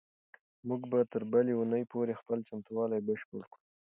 موږ به تر بلې اونۍ پورې خپل چمتووالی بشپړ کړو.